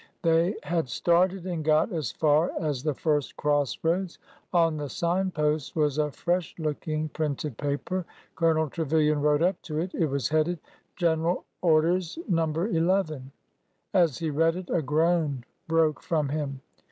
They had started and got as far as the first cross roads. On the sign post was a fresh looking printed paper. Colonel Trevilian rode up to it. It was headed General Orders No. ii." As he read it a groan broke from him.